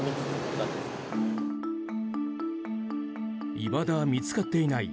いまだ見つかっていない